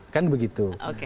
kan begitu oke